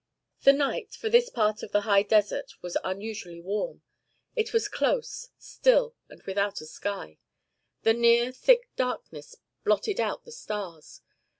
The night, for this part of the high desert, was unusually warm. It was close, still, and without a sky. The near, thick darkness blotted out the stars.